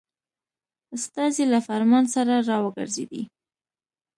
استازی له فرمان سره را وګرځېدی.